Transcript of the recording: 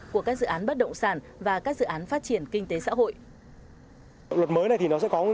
của các dự án bất động sản và các dự án phát triển kinh tế xã hội